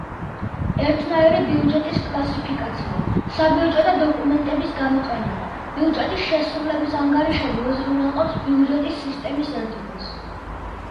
ერთნაირი ბიუჯეტის კლასიფიკაცია, საბიუჯეტო დოკუმენტების გამოყენება, ბიუჯეტის შესრულების ანგარიშები უზრუნველყოფს ბიუჯეტის სისტემის ერთობას.